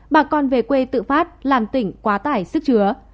bà con về quê tự phát làm tỉnh quá tải sức chứa